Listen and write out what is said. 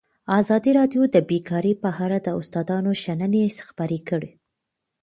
ازادي راډیو د بیکاري په اړه د استادانو شننې خپرې کړي.